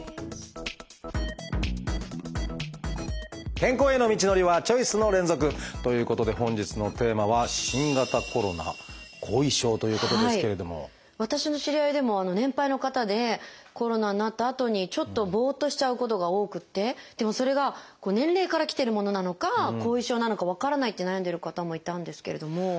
健康への道のりはチョイスの連続！ということで本日のテーマは私の知り合いでも年配の方でコロナになったあとにちょっとボッとしちゃうことが多くてでもそれが年齢からきてるものなのか後遺症なのか分からないって悩んでる方もいたんですけれども。